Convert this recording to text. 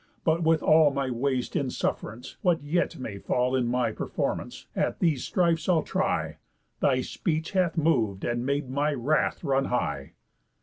But with all My waste in suff'rance, what yet may fall In my performance, at these strifes I'll try. Thy speech hath mov'd, and made my wrath run high."